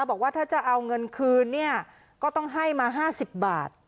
บอกว่าถ้าจะเอาเงินคืนเนี่ยก็ต้องให้มา๕๐บาท